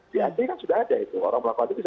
di ac kan sudah ada orang melakukan itu